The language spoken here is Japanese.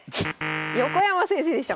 横山先生でした。